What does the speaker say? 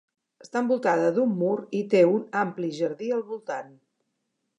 Està envoltada d'un mur i té un ampli jardí al voltant.